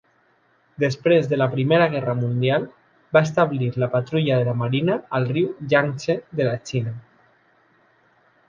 Després de la Primera Guerra Mundial, va establir la patrulla de la Marina al riu Yangtze de la Xina.